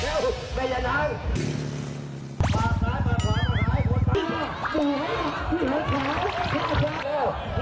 หัวใบท้ายหมด